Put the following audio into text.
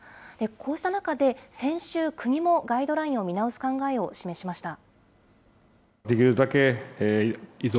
こうした中で、先週、国もガイドラインを見直す考えを示しました。